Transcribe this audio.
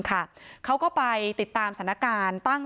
พร้อมด้วยผลตำรวจเอกนรัฐสวิตนันอธิบดีกรมราชทัน